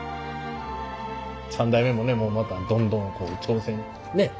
３代目もねまたどんどんこう挑戦ねっ？